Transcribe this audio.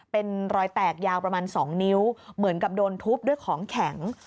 เป็นรอยแตกยาวประมาณ๒นิ้วเหมือนกับโดนทุบด้วยของแข็ง